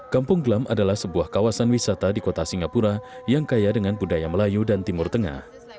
kampung glam adalah sebuah kawasan wisata di kota singapura yang kaya dengan budaya melayu dan timur tengah